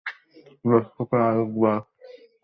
দর্শকদের আরেকবার অবাক হবার পালা।